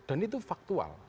dan itu faktual